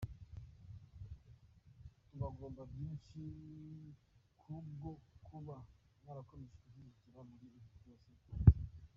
Tubagomba byinshi ku bwo kuba mwarakomeje kudushyigikira muri ibi byose twanyuzemo.